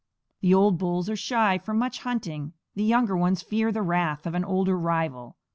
The old bulls are shy from much hunting; the younger ones fear the wrath of an older rival.